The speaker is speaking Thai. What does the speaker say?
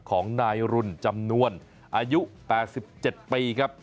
ของนายรุนจำนวนอายุ๘๗ปีครับ